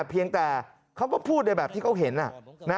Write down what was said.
เพียงแต่เขาก็พูดในแบบที่เขาเห็น